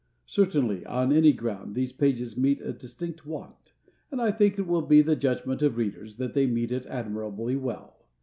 Certainly, on any ground, these pages meet a distinct want; and I think it will be the judgment of readers, that they meet it admirably well.